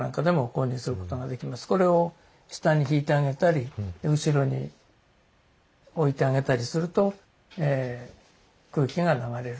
これを下に敷いてあげたり後ろに置いてあげたりすると空気が流れるということなんです。